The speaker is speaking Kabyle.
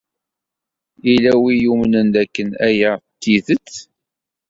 Yella wi yumnen dakken aya d tidet?